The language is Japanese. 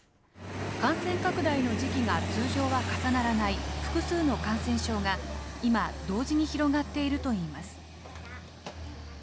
感染拡大の時期が通常は重ならない複数の感染症が、今、同時に広がっているといいます。